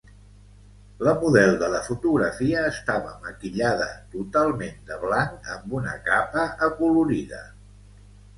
La model de la fotografia estava maquillada totalment de blanc amb una capa acolorida.